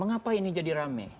mengapa ini jadi rame